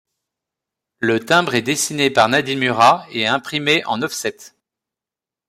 Le timbre est dessiné par Nadine Murat et imprimé en offset.